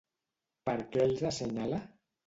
Per què els assenyala?